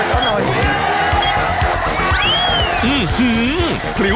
เอาล่ะครับ